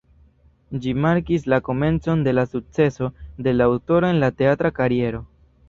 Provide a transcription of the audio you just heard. Ĝi markis la komencon de la sukceso de la aŭtoro en la teatra kariero.